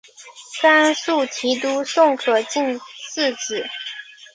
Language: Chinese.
甘肃提督宋可进嗣子。